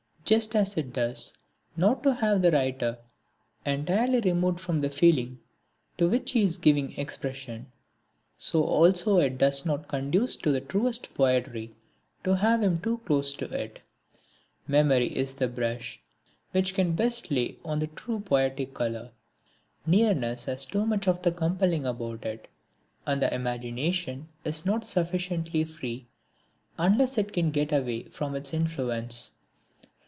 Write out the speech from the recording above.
Just as it does not do to have the writer entirely removed from the feeling to which he is giving expression, so also it does not conduce to the truest poetry to have him too close to it. Memory is the brush which can best lay on the true poetic colour. Nearness has too much of the compelling about it and the imagination is not sufficiently free unless it can get away from its influence.